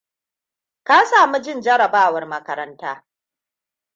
Ka saamu jin jarabawan makaranta.